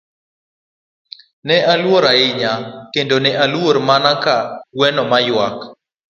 Ne aluor ahinya, kendo ne aluor mana ka gweno ma ywak.